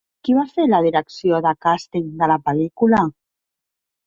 Qui va fer la direcció de càsting de la pel·lícula?